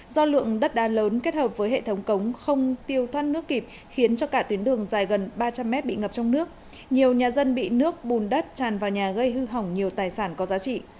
do lượng đất đá lớn kết hợp với hệ thống cống không tiêu thoát nước kịp khiến cho cả tuyến đường dài gần ba trăm linh mét bị ngập trong nước nhiều nhà dân bị nước bùn đất tràn vào nhà gây hư hỏng nhiều tài sản có giá trị